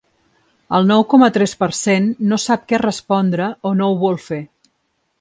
El nou coma tres per cent no sap què respondre o no ho vol fer.